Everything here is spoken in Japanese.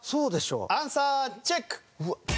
アンサーチェック！